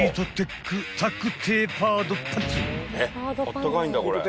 あったかいんだこれ。